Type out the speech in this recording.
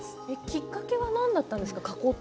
きっかけは何だったんですか。